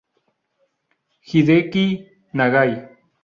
Hideki Nagai